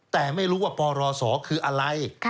แต่ไม่รู้ว่าปรศคืออะไร